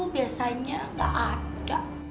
biasanya gak ada